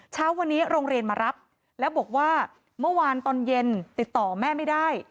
เช้าวันนี้โรงเรียนมารับแล้วบอกว่าเมื่อวานตอนเย็นติดต่อแม่ไม่ได้